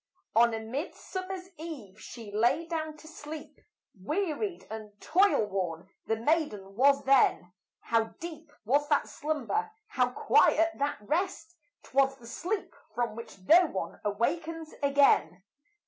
On a midsummer's eve she lay down to sleep, Wearied and toil worn the maiden was then; How deep was that slumber, how quiet that rest, 'Twas the sleep from which no one awakens again.